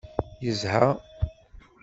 Yezha.